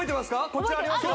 こちらありますよ